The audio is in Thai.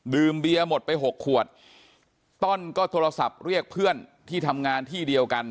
เบียร์หมดไปหกขวดต้อนก็โทรศัพท์เรียกเพื่อนที่ทำงานที่เดียวกัน